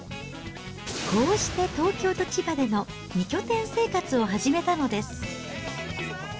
こうして東京と千葉での２拠点生活を始めたのです。